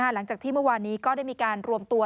หลังจากที่เมื่อวานนี้ก็ได้มีการรวมตัว